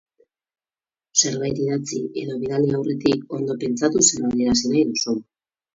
Zerbait idatzi edo bidali aurretik ondo pentsatu zer adierazi nahi duzun.